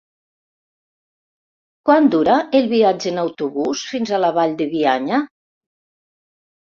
Quant dura el viatge en autobús fins a la Vall de Bianya?